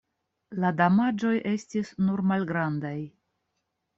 La damaĝoj estis nur malgrandaj.